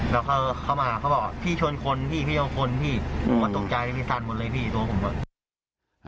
แล้วเขามาเขาบอกพี่ชนคนพี่ชนคนตกใจพี่พี่สัญหมดเลยพี่ตัวผม